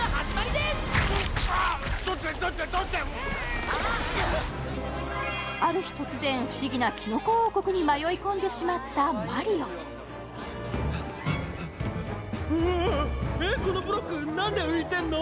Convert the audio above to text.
取って取って取ってある日突然不思議なキノコ王国に迷い込んでしまったマリオはあはあはあうわえっこのブロック何で浮いてんの？